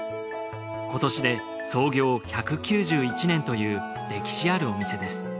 今年で創業１９１年という歴史あるお店です